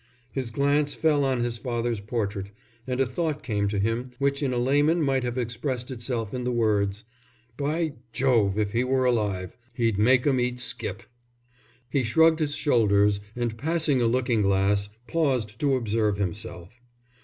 His glance fell on his father's portrait, and a thought came to him which in a layman might have expressed itself in the words: "By Jove, if he were alive, he'd make 'em skip." He shrugged his shoulders, and passing a looking glass, paused to observe himself.